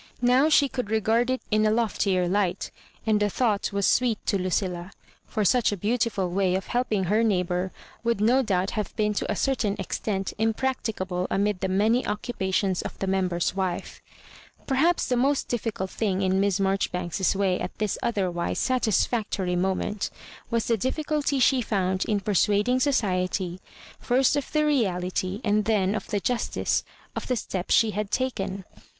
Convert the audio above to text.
Now she could regard it in a loftier light, and the thought was sweet to Lucilla ; for such a beautiful way of helping her neighbour would no doubt have been to a cer tain extent impracticable amid the many occu pations of the Member's wife. Perhaps the most difficult thing in Miss Mar joribanks's way at this otherwise satisfactory moment was the difficulty she found in persuad Digitized by VjOOQIC MISS MARJORIBANKS. n9' tag society, first of the reality, and then of the justice, of the step she had taken.